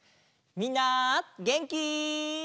みんなげんき？